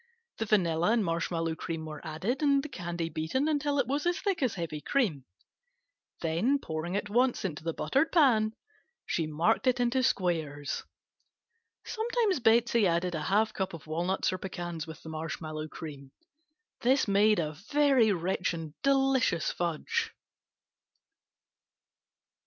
The vanilla and marshmallow cream were added and the candy beaten until it was as thick as heavy cream, then pouring at once into the buttered pan she marked it into squares. Sometimes Betsey added a half cup of walnuts or pecans with the marshmallow cream. This made a very rich and delicious fudge.